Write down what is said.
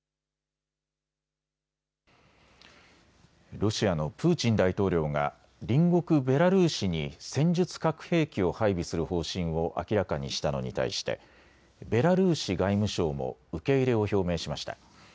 ロシアのプーチン大統領が隣国ベラルーシに戦術核兵器を配備する方針を明らかにしたのに対してベラルーシ外務省も受け入れを表明しました。